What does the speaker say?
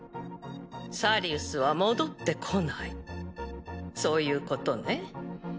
サリウスは戻ってこないそういうことね？